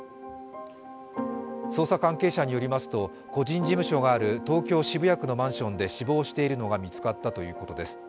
捜査関係者によると、個人事務所がある東京・渋谷区のマンションで死亡しているのが見つかったということです。